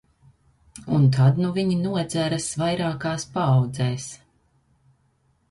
Un tad nu viņi nodzeras vairākās paaudzēs.